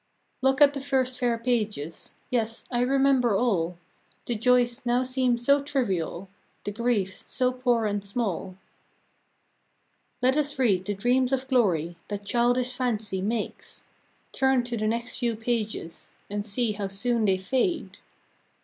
Look at the first fair pages ; Yes, I remember all: The joys now seem so trivial, The griefs so poor and small. Let us read the dreams of glory That childish fancy made; Turn to the next few pages, And see how soon they fade.